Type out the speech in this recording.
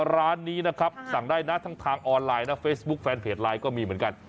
ร้านนี้นะครับสั่งได้นะทั้งทางออนไลน์นะเฟซบุ๊คแฟนเพจไลน์ก็มีเหมือนกัน